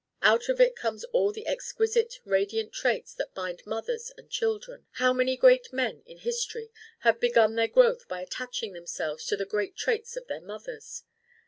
Out of it come all the exquisite radiant traits that bind mothers and children. How many great men in history have begun their growth by attaching themselves to the great traits of their mothers?